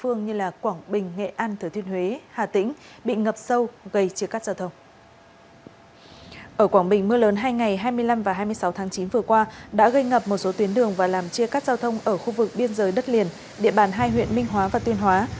ở quảng bình mưa lớn hai ngày hai mươi năm và hai mươi sáu tháng chín vừa qua đã gây ngập một số tuyến đường và làm chia cắt giao thông ở khu vực biên giới đất liền địa bàn hai huyện minh hóa và tuyên hóa